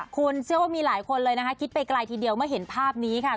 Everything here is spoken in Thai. คุณเชื่อว่ามีหลายคนเลยนะคะคิดไปไกลทีเดียวเมื่อเห็นภาพนี้ค่ะ